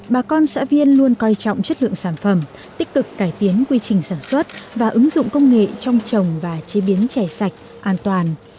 bà con xã viên luôn coi trọng chất lượng sản phẩm tích cực cải tiến quy trình sản xuất và ứng dụng công nghệ trong trồng và chế biến chè sạch an toàn